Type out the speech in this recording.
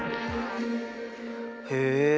へえ。